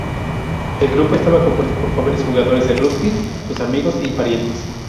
El grupo estaba compuesto por jóvenes jugadores de rugby, sus amigos y parientes.